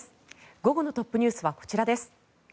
午後のトップＮＥＷＳはこちらです。